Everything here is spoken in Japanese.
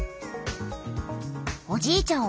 おじいちゃん